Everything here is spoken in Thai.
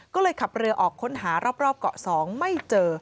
ก็เลยขับเรือออกค้นหารอบเกาะ๒ไม่เจอ